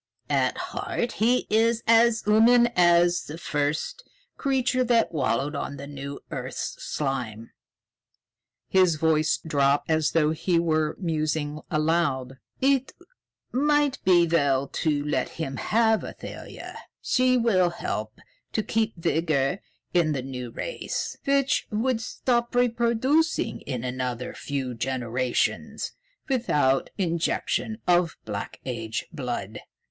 At heart he is as human as the first man creature that wallowed in the new earth's slime." His voice dropped as though he were musing aloud. "It might be well to let him have Athalia. She will help to keep vigor in the new race, which would stop reproducing in another few generations without the injection of Black Age blood."